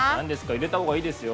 入れた方がいいですよ。